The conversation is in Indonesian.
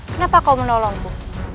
kenapa kau menolongku